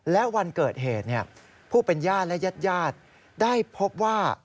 และวันเกิดเหตุผู้เป็นญาติและญาติญาติได้พบว่า